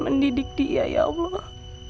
mendidik dia ya allah